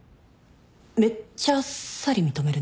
めっちゃあっさり認めるね。